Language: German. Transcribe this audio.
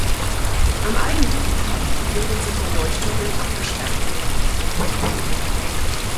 Am eigentlichen Kap befindet sich der Leuchtturm im abgesperrten Gelände.